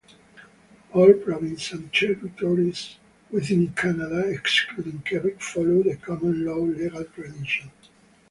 All provinces and territories within Canada, excluding Quebec, follow the common law legal tradition.